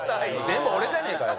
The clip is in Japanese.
全部俺じゃねえかよ！